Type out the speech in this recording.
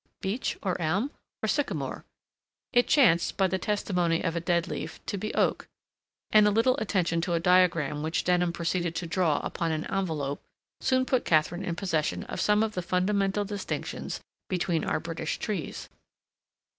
Beech or elm or sycamore? It chanced, by the testimony of a dead leaf, to be oak; and a little attention to a diagram which Denham proceeded to draw upon an envelope soon put Katharine in possession of some of the fundamental distinctions between our British trees.